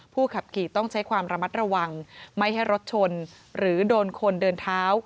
ขับขี่ต้องใช้ความระมัดระวังไม่ให้รถชนหรือโดนคนเดินเท้า